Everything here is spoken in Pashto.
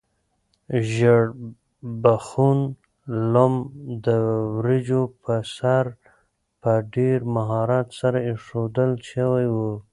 ژیړبخون لم د وریجو په سر په ډېر مهارت سره ایښودل شوی و.